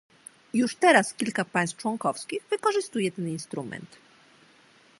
Już teraz kilka państw członkowskich wykorzystuje ten instrument